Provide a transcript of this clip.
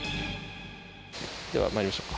ではまいりましょうか。